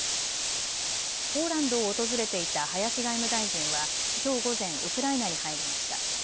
ポーランドを訪れていた林外務大臣はきょう午前、ウクライナに入りました。